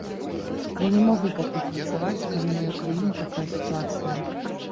Я не змагу пакуль працаваць, калі ў маёй краіне такая сітуацыя.